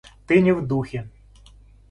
Ты не в духе.